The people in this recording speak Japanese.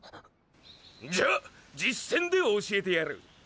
じゃあ実践で教えてやる！！